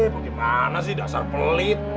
bagaimana sih dasar pelit